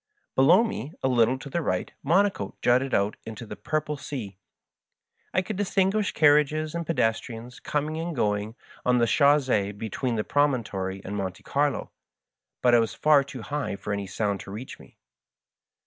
Below me, a little to the right, Monaco jutted out into the purple sea. I could distinguish carriages and pedestrians com ing and going on the chanss^e between the promontory and Monte Carlo, but I was far too high for any sound to reach me.